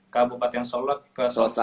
kabupaten solok ke sosok